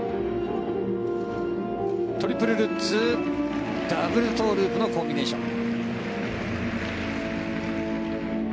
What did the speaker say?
トリプルルッツダブルトウループのコンビネーション。